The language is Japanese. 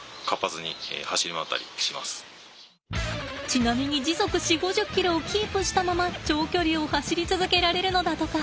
ちなみに時速４０５０ｋｍをキープしたまま長距離を走り続けられるのだとか。